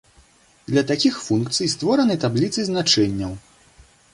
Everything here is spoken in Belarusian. Для такіх функцый створаны табліцы значэнняў.